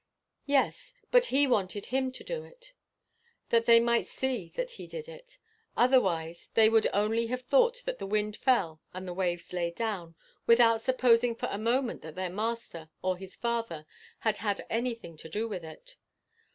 Yes. But he wanted him to do it, that they might see that he did it. Otherwise they would only have thought that the wind fell and the waves lay down, without supposing for a moment that their Master or his Father had had anything to do with it.